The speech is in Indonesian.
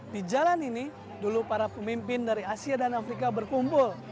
di jalan ini dulu para pemimpin dari asia dan afrika berkumpul